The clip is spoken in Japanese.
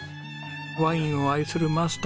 ワインを愛するマスター